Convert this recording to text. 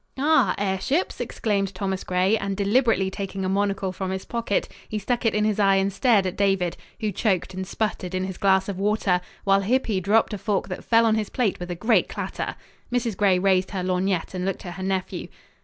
"Ah, airships?" exclaimed Thomas Gray, and deliberately taking a monocle from his pocket, he stuck it in his eye and stared at David, who choked and sputtered in his glass of water, while Hippy dropped a fork that fell on his plate with a great clatter. Mrs. Gray raised her lorgnette and looked at her nephew.